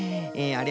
あれ。